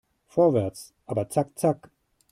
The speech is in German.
Vorwärts, aber zack zack!